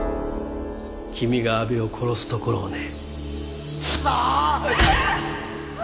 君が阿部を殺すところをね。